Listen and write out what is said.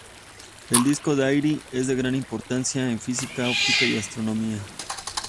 El disco de Airy es de gran importancia en física, óptica y astronomía.